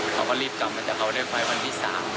เขาก็รีบกลับมาจากเขาได้ไฟวันที่๓